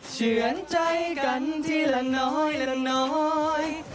เฉือนใจกันทีละน้อยละน้อย